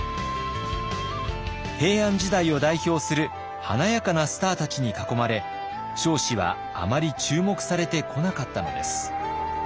平安時代を代表する華やかなスターたちに囲まれ彰子はあまり注目されてこなかったのです。